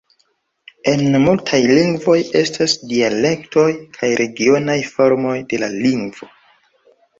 En multaj lingvoj estas dialektoj kaj regionaj formoj de la lingvo.